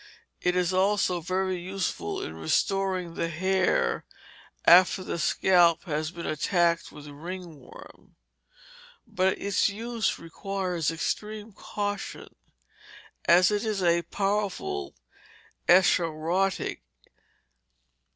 It is also very useful in restoring the hair after the scalp has been attacked with ringworm; but its use requires extreme caution, as it is a powerful escharotic.